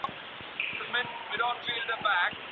د جرګي په ویناوو کي به د وطن پالنې نښې وي.